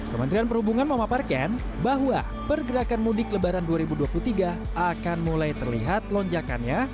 kementerian perhubungan memaparkan bahwa pergerakan mudik lebaran dua ribu dua puluh tiga akan mulai terlihat lonjakannya